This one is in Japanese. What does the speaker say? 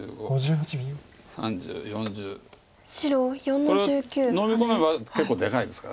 これをのみ込めば結構でかいですから。